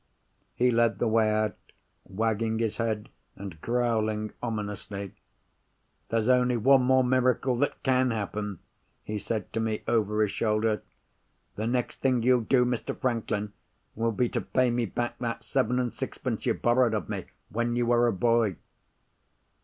He led the way out, wagging his head and growling ominously. "There's only one more miracle that can happen," he said to me, over his shoulder. "The next thing you'll do, Mr. Franklin, will be to pay me back that seven and sixpence you borrowed of me when you were a boy."